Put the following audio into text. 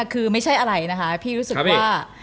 คือไม่ใช่อะไรนะคะพี่รู้สึกว่า